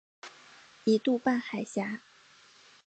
一度半海峡。